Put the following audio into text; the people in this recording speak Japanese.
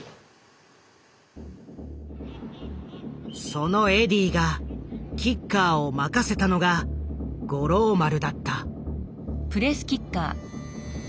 そのエディーがキッカーを任せたのが五郎丸だった。